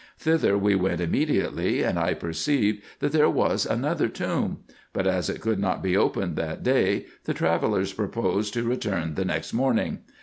Thither we went immediately, and I perceived that there was another tomb ; but as it could not be opened that day, the travellers proposed to return the next morning.